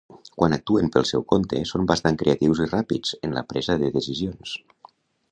Quan actuen pel seu compte, són bastant creatius i ràpids en la presa de decisions.